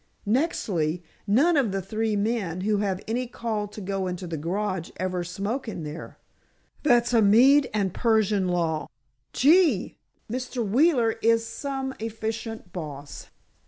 Nextly, none of the three men who have any call to go into the garage ever smoke in there. That's a Mede and Persian law. Gee, Mr. Wheeler is some efficient boss!